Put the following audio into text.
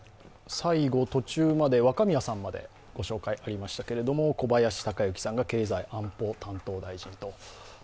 最後、途中まで、若宮さんまでご紹介しましたが小林鷹之さんが経済安保担当大臣と。